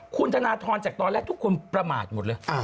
คุณธนทรจากตอนแรกทุกคนประมาทหมดเลย